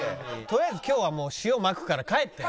とりあえず今日はもう塩まくから帰って。